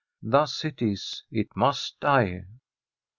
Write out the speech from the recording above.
Thus it is it must die.